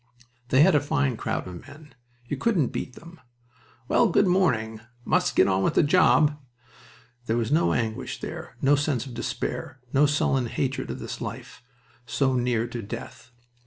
They had a fine crowd of men. You couldn't beat them. "Well, good morning! Must get on with the job." There was no anguish there, no sense of despair, no sullen hatred of this life, so near to death.